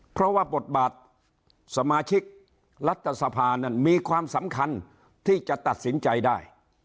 เพราะว่าบทบาทสมาชิกรัฐสภานั้นมีความสำคัญที่จะตัดสินใจได้